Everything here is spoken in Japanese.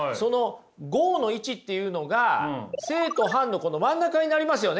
合の位置っていうのが正と反の真ん中になりますよね。